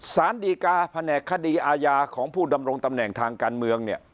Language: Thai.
สารดีกาแผนกคดีอาญาของผู้ดำรงตำแหน่งทางการเมืองเนี่ย